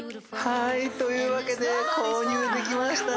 はいというわけで購入できました